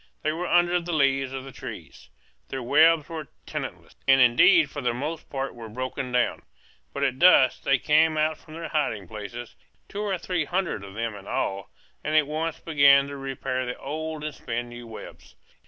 They were under the leaves of the trees. Their webs were tenantless, and indeed for the most part were broken down. But at dusk they came out from their hiding places, two or three hundred of them in all, and at once began to repair the old and spin new webs.